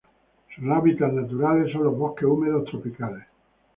Sus hábitats naturales son los bosque húmedos tropicales.